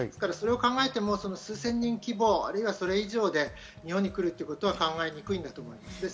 それを考えても数千人規模、或いはそれ以上で日本に来るってことは考えにくいです。